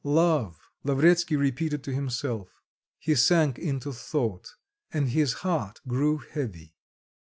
"Love," Lavretsky repeated to himself. He sank into thought and his heart grew heavy.